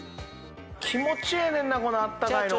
気持ちええねんなこのあったかいのが。